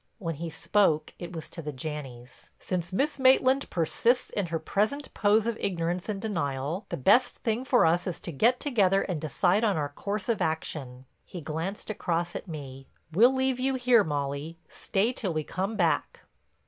When he spoke it was to the Janneys: "Since Miss Maitland persists in her present pose of ignorance and denial, the best thing for us is to get together and decide on our course of action." He glanced across at me. "We'll leave you here, Molly. Stay till we come back."